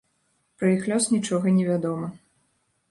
Пра іх лёс нічога невядома.